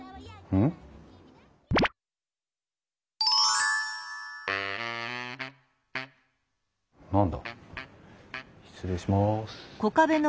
うん？何だ？